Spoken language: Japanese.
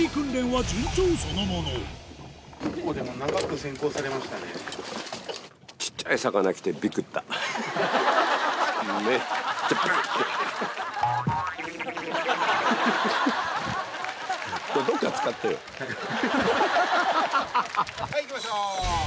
はいいきましょう。